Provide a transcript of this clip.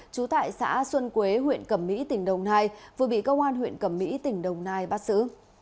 trú tại xã xuân quế huyện cẩm mỹ tỉnh đồng nai vừa bị công an huyện cẩm mỹ tỉnh đồng nai bắt xử